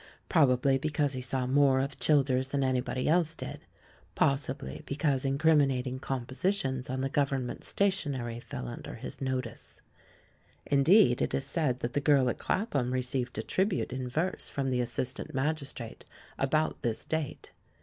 Probably because he saw more of Childers than anybody else did ; possibly because incriminating compositions on the Government stationery fell under his notice. Indeed, it is said that the girl at Clapham received a tribute in verse from the assistant magistrate about this date.